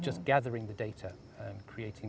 dan membuat desain utama di tempat ini